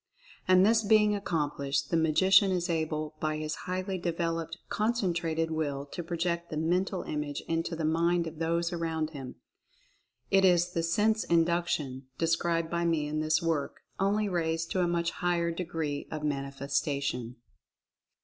And this being ac complished, the Magician is able by his highly devel oped Concentrated Will to project the Mental Image into the mind of those around him. It is the Sense Induction, described by me in this work, only raised to a much higher degree of manifestation.